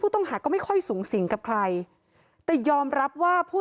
ต้องหาก็ไม่ค่อยสูงสิงกับใครแต่ยอมรับว่าผู้